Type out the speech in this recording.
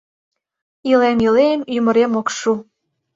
Илем-илем — ӱмырем ок шу...